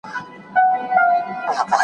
خپل تاریخ وژغوري